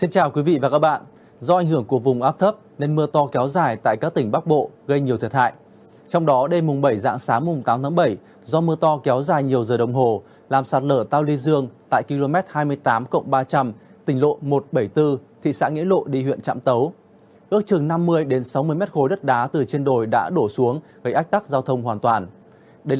chào mừng quý vị đến với bộ phim hãy nhớ like share và đăng ký kênh của chúng mình nhé